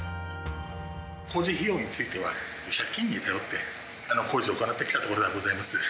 工事費用については、借金に頼って、工事を行ってきたところがございます。